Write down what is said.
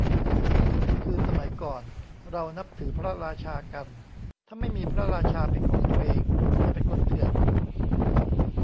คือสมัยก่อนเรานับถือพระราชากัน ถ้าไม่มีพระราชาเป็นของตัวเอง จะเป็นคนเถื่อน